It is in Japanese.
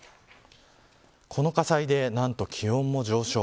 この火災で、何と気温も上昇。